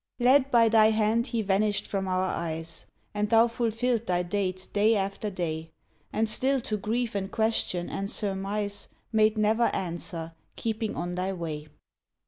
Led by thy hand he vanished from our eyes, And thou fulfilled thy date day after day, And still to grief and question and surmise Made never answer, keeping on thy way.